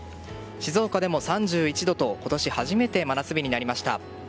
静岡でも３１度と今年初めて真夏日となりました。